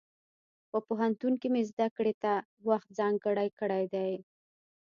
په پوهنتون کې مې زده کړې ته وخت ځانګړی کړی دی.